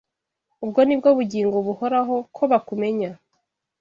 Ubu ni bwo bugingo buhoraho, ko bakumenya